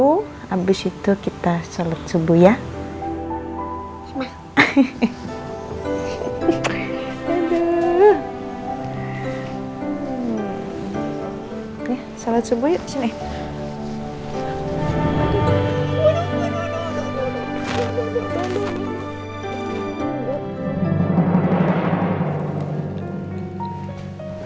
habis itu kita salat subuh ya hai eh eh eh eh eh eh eh eh eh eh eh eh eh eh eh eh eh eh eh